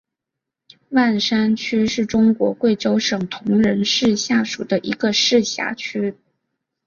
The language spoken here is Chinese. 万山区是中国贵州省铜仁市下属的一个市辖区。